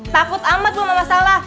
takut amat lo kemana masalah